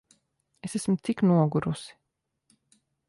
Es esmu tik nogurusi.